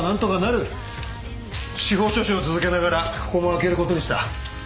司法書士を続けながらここも開ける事にした。